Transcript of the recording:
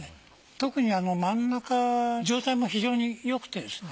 特に真ん中状態も非常によくてですね